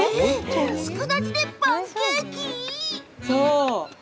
つくだ煮でパンケーキ？